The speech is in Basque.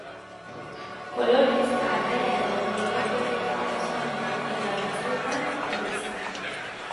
Kolorez, arrea edo oliba-kolorekoa izan ohi da, eta, batzuetan, horixka.